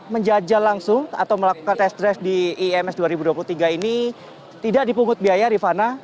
menjajal langsung atau melakukan tes drive di ims dua ribu dua puluh tiga ini tidak dipungut biaya rifana